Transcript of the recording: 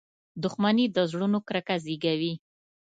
• دښمني د زړونو کرکه زیږوي.